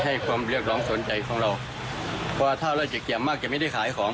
ให้ความเรียกร้องสนใจของเราเพราะถ้าเราจะแจ่มมากจะไม่ได้ขายของ